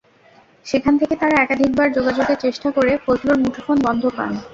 সেখান থেকে তাঁরা একাধিকবার যোগাযোগের চেষ্টা করে ফজলুর মুঠোফোন বন্ধ পান।